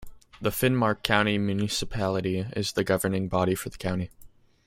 The Finnmark County Municipality is the governing body for the county.